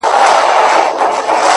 • ورسره به وي د ګور په تاریکو کي,